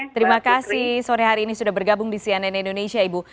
terima kasih sore hari ini sudah bergabung di cnn indonesia ibu